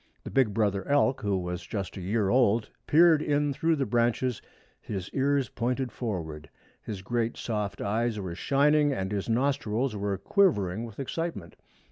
The big brother elk, who was just a year old, peered in through the branches, his ears pointed forward. His great soft eyes were shining, and his nostrils were quivering with excitement.